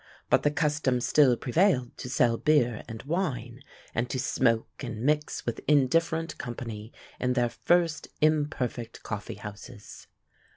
But the custom still prevailed to sell beer and wine, and to smoke and mix with indifferent company in their first imperfect coffee houses.